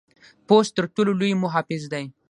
پوست تر ټر ټولو لوی محافظ دی.